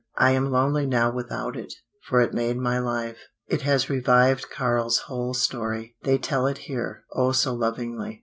I am lonely now without it, for it made my life. "It has revived Karl's whole story. They tell it here oh so lovingly.